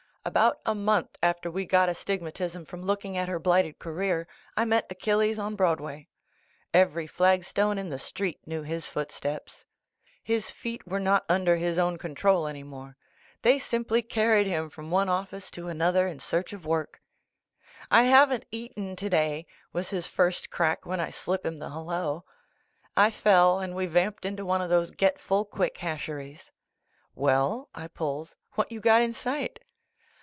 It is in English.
About a month after we got astigmatism from looking at "Her Blighted Career" I met Achilles on Broadway. Every flag stone in the street knew his footsteps. His feet were not under his own control any more. They simply carried him from one office to another in search of work. "t haven't eaten today!" was his first crack, when I slip him the hello. I fell, and we vamped into one of tliose get full quick hasheries. "Well," I pulls, "what you got in sight?"